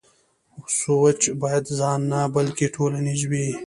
سوچ بايد ځاني نه بلکې ټولنيز وي.